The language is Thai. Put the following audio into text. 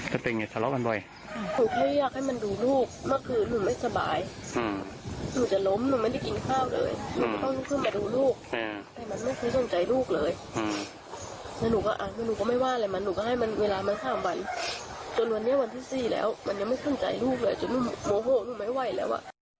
จนวันนี้วันที่๔แล้วมันยังไม่ขึ้นใจลูกเลยจนมันโมโฮมันไม่ไหวแล้ว